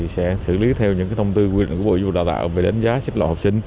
sẽ xử lý theo những thông tư quy định của bộ giáo dục đào tạo về đánh giá xếp lộ học sinh